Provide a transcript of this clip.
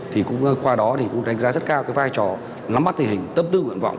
thì qua đó cũng đánh giá rất cao cái vai trò nắm bắt tình hình tâm tư nguyện vọng